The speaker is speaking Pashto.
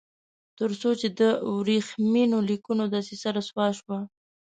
تر څو چې د ورېښمینو لیکونو دسیسه رسوا شوه.